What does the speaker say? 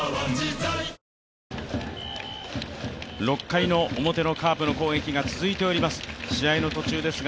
６回の表のカープの攻撃が続いております。